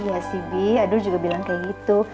iya sih bi adul juga bilang kayak gitu